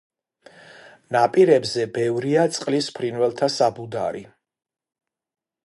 ნაპირებზე ბევრია წყლის ფრინველთა საბუდარი.